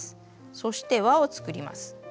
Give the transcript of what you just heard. そして輪を作ります。